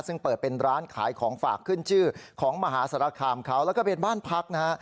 ซึ่งเปิดเป็นร้านขายของฝากขึ้นชื่อของมหาสารคามเขาแล้วก็เป็นบ้านพักนะฮะ